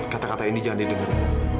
kata kata ini jangan didengar